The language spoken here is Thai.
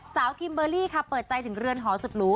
คิมเบอร์รี่ค่ะเปิดใจถึงเรือนหอสุดหรู